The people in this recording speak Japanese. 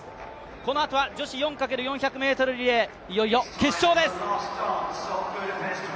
このあとは女子４×４００ｍリレー、いよいよ決勝です。